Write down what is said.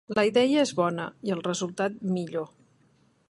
La idea és bona i el resultat, millor.